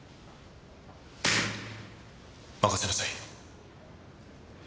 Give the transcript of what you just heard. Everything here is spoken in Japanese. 任せなさい。